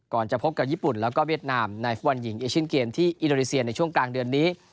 จะพบกับญี่ปุ่นแล้วก็เวียดนามในฟุตบอลหญิงเอเชียนเกมที่อินโดนีเซียในช่วงกลางเดือนนี้